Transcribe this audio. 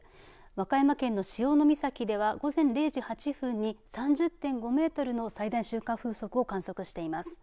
和歌山県の潮岬では午前０時８分に３０．５メートルの最大瞬間風速を観測しています。